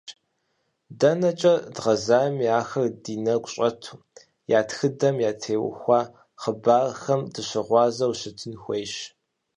Дэнэкӏэ дгъазэми ахэр ди нэгу щӏэту, я тхыдэм, ятеухуа хъыбархэм дыщыгъуазэу щытын хуейщ.